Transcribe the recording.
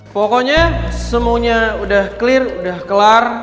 pokoknya semuanya udah clear udah kelar